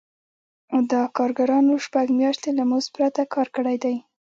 دا کارګرانو شپږ میاشتې له مزد پرته کار کړی دی